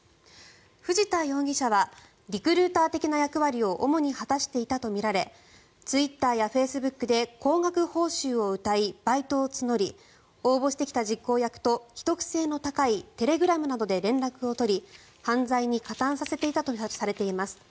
藤田容疑者はリクルーター的な役割を主に果たしていたとみられツイッターやフェイスブックで高額報酬をうたいバイトを募り応募してきた実行役と秘匿性の高いテレグラムなどで連絡を取り犯罪に加担させていたとされています。